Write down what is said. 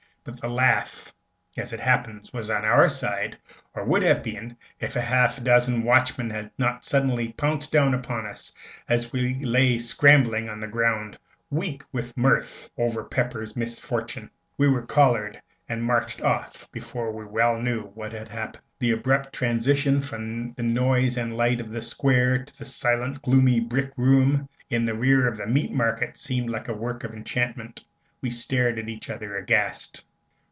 But the laugh, as it happened, was on our side, or would have been, if half a dozen watchmen had not suddenly pounced down upon us, as we lay scrambling on the ground, weak with mirth over Pepper's misfortune. We were collared and marched off before we well knew what had happened. The abrupt transition from the noise and light of the Square to the silent, gloomy brick room in the rear of the Meat Market seemed like the work of enchantment. We stared at each other, aghast.